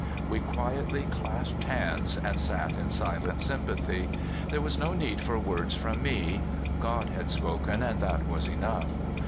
" We quietly clasped hands and sat in silent sym pathy. There was no need for words from me; AT THE END. 3^1 God had spoken, and that was enough.